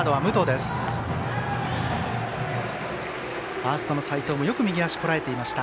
ファーストの齋藤よく右足、こらえていました。